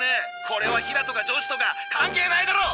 これはヒラとか上司とか関係ないだろ。